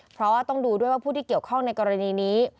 เพราะว่าต้องดูด้วยว่าผู้ที่เกี่ยวข้องในกรณีนี้